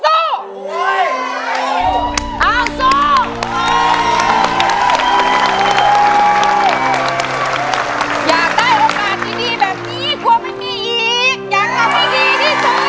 อยากทำให้ดีที่สุดอยากทำที่ดีที่สุด